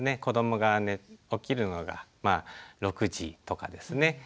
子どもが起きるのが６時とかですね